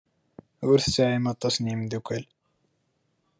Ur tesɛim aṭas n yimeddukal.